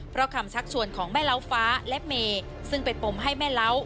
เพราะคำชักชวนของแม่เล้าฟ้าและเมซึ่งเป็นปมให้แม่เล้า